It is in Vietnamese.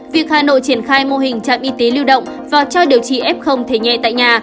việc hà nội triển khai mô hình trạm y tế lưu động và cho điều trị f thể nhẹ tại nhà